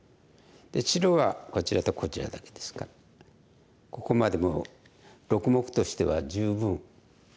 白はこちらとこちらだけですがここまでもう６目としては十分立派に打ててると思います。